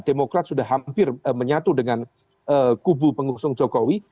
demokrat sudah hampir menyatu dengan kubu pengusung jokowi